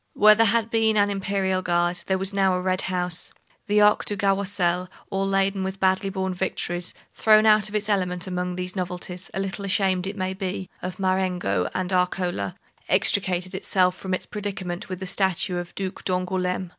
Where there had been an Imperial Guard, there was now a red house. The Arc du Carrousel, all laden with badly borne victories, thrown out of its element among these novelties, a little ashamed, it may be, of Marengo and Arcola, extricated itself from its predicament with the statue of the Duc d'Angoulême.